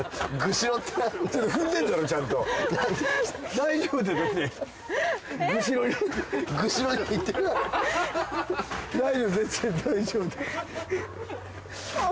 大丈夫全然大丈夫。